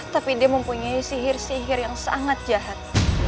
tapi dia mempunyai sihir sihir yang sangat jahat